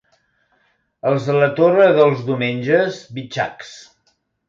Els de la Torre dels Domenges, bitxacs.